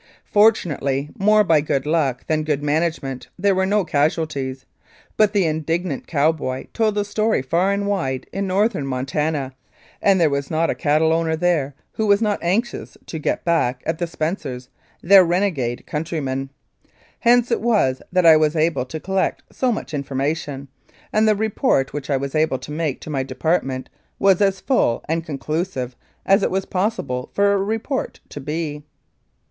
Fortunately, more by good luck than good management, there were no casualties, but the indignant cowboy told the story far and wide in Northern Montana, and there was not a cattle owner there who was not anxious to *' get back '' at the Spencers, their renegade countrymen. Hence it was that I was able to collect so much information, and the report which I was able to make to my department was as full and conclusive as it was possible for a report to be.